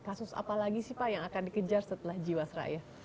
kasus apa lagi sih pak yang akan dikejar setelah jiwasraya